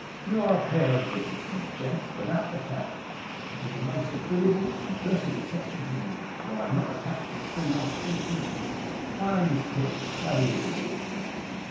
You are a pair of Whittingtons, gents, without the cat; which is a most agreeable and blessed exception to me, for I am not attached to the feline species. My name is Tigg; how do you do?